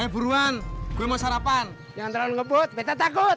buruan gue mau sarapan yang terlalu ngebut beta takut